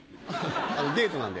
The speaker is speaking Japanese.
デートなんで。